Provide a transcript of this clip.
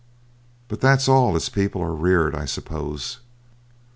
But that's all as people are reared, I suppose.